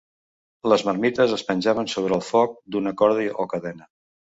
Les marmites es penjaven sobre el foc d'una corda o cadena.